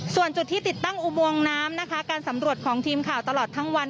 ส่วนจุดที่ติดตั้งอุโมงน้ำนะคะการสำรวจของทีมข่าวตลอดทั้งวัน